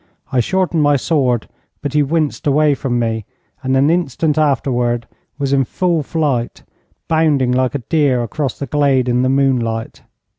I shortened my sword, but he winced away from me, and an instant afterwards was in full flight, bounding like a deer across the glade in the moonlight.